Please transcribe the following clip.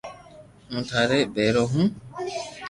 ھون ٿارو ڀآرو ھون